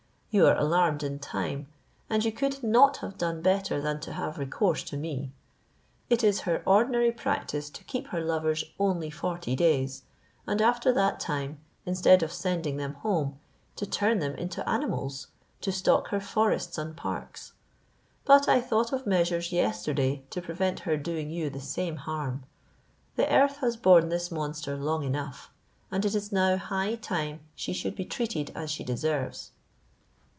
You are alarmed in time; and you could not have done better than to have recourse to me. It is her ordinary practice to keep her lovers only forty days; and after that time, instead of seeding them home, to turn them into animals, to stock her forests and parks; but I thought of measures yesterday to prevent her doing you the same harm. The earth has borne this monster long enough, and it is now high time she should be treated as she deserves."